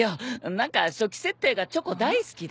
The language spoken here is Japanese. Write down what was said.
何か初期設定がチョコ大好きで。